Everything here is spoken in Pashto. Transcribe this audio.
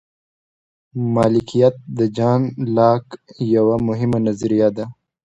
مالکیت د جان لاک یوه مهمه نظریه ده.